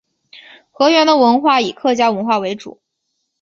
河源的文化以客家文化为主。